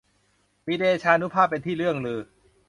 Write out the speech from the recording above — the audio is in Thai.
มีเดชานุภาพเป็นที่เลื่องลือ